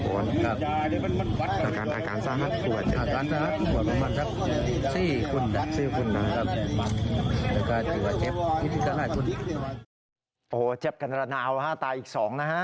โอ้โหเจ็บกันระนาวฮะตายอีก๒นะฮะ